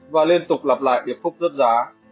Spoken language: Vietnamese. và liên tục lặp lại biệt phúc rớt giá